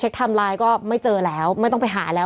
เพื่อไม่ให้เชื้อมันกระจายหรือว่าขยายตัวเพิ่มมากขึ้น